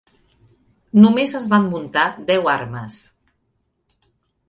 Només es van muntar deu armes.